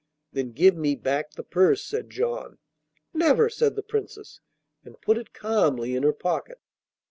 'Then give me back the purse,' said John. 'Never,' said the Princess, and put it calmly in her pocket.